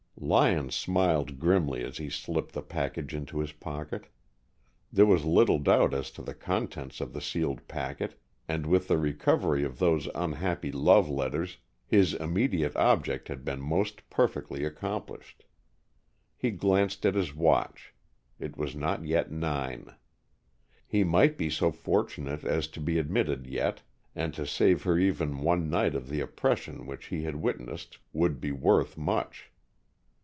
Lyon smiled grimly as he slipped the package into his pocket. There was little doubt as to the contents of the sealed packet, and with the recovery of those unhappy love letters, his immediate object had been most perfectly accomplished. He glanced at his watch. It was not yet nine. He might be so fortunate as to be admitted yet, and to save her even one night of the oppression which he had witnessed would be worth much.